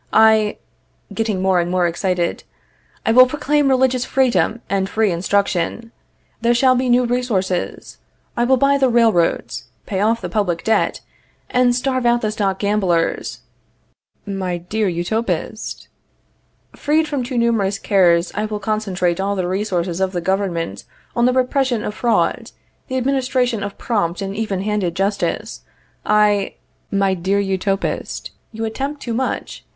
I Getting more and more excited: I will proclaim religious freedom and free instruction. There shall be new resources. I will buy the railroads, pay off the public debt, and starve out the stock gamblers. My dear Utopist! Freed from too numerous cares, I will concentrate all the resources of the government on the repression of fraud, the administration of prompt and even handed justice. I My dear Utopist, you attempt too much.